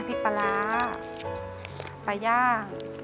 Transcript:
แต่ที่แม่ก็รักลูกมากทั้งสองคน